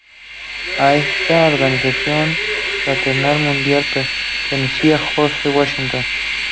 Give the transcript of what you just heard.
A esta organización fraternal mundial pertenecía George Washington.